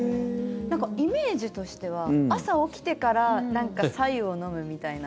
イメージとしては朝、起きてからさゆを飲むみたいな。